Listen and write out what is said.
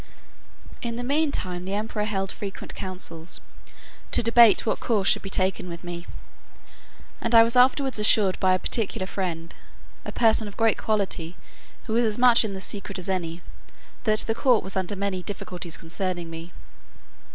In the mean time the emperor held frequent councils, to debate what course should be taken with me; and I was afterwards assured by a particular friend, a person of great quality, who was as much in the secret as any, that the court was under many difficulties concerning me.